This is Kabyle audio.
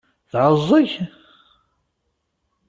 Teɛẓeg?